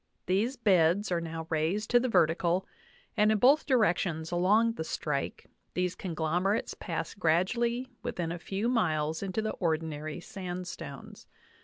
These beds are now raised to the vertical, and in both directions along the strike these conglomerates pass gradually within a few miles into the ordinary sandstones.